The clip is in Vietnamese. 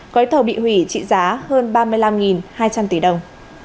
gói thầu bị hủy trị giá hơn ba mươi năm hai trăm linh tỷ đồng